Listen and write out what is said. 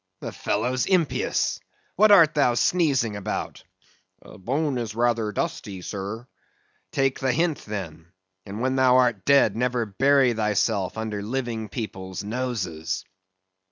The fellow's impious! What art thou sneezing about? Bone is rather dusty, sir. Take the hint, then; and when thou art dead, never bury thyself under living people's noses.